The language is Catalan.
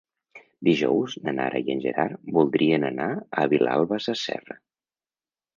Dijous na Nara i en Gerard voldrien anar a Vilalba Sasserra.